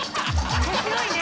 面白いね。